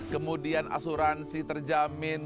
kemudian asuransi terjamin